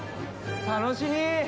楽しみ！